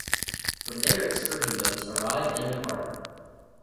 From there excursion boats arrive and depart.